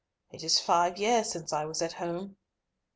It is five years since I was at home."